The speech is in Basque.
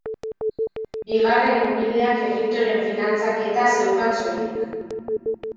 Bigarren ubideak Egiptoren finantzaketa zeukan soilik.